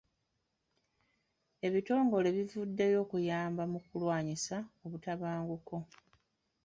Ebitongole bivuddeyo okuyamba mu kulwanyisa obutabanguko.